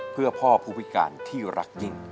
เพื่อพ่อผู้พิการที่รักยิ่ง